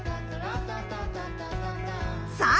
さあ